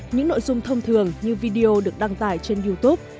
những nội dung thông thường như video được đăng tải trên youtube